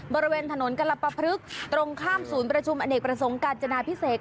บริเวณถนนกรปพลึกตรงข้ามศูนย์ประชุมอเนกประสงค์กาญจนาพิเศษ